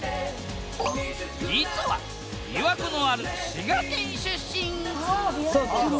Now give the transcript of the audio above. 実はびわ湖のある滋賀県出身！